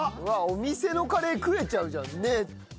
お店のカレー食えちゃうじゃんね。